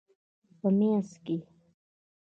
په مینځ کې